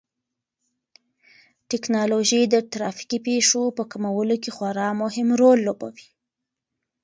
ټیکنالوژي د ترافیکي پېښو په کمولو کې خورا مهم رول لوبوي.